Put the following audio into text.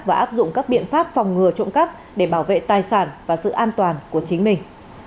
và áp dụng các biện pháp phòng ngừa trộm cắp để bảo vệ tài sản và sự an toàn của chính mình